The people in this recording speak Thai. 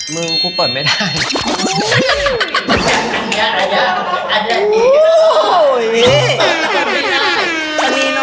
มึงมันกรูเปิดไม่ได้